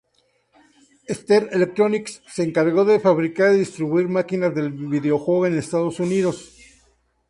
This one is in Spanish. Stern Electronics se encargó de fabricar y distribuir máquinas del videojuego en Estados Unidos.